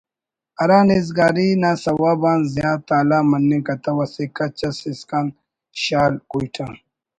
ہرا نیزگاری نا سوب آن زیات تالان مننگ کتو اسہ کچ اس اسکان شال (کوئٹہ)